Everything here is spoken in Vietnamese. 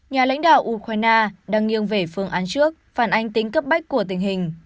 nhà lãnh đạo ukraine đang nghiêng về phương án trước phản ánh tính cấp bách của tình hình